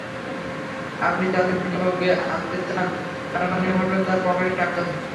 আপনি তাঁদের বিনিয়োগে আনতে চান, তার মানে হলো তাঁর পকেটের টাকা চান।